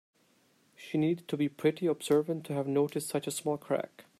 She needed to be pretty observant to have noticed such a small crack.